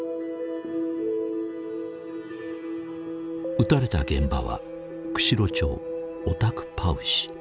撃たれた現場は釧路町オタクパウシ。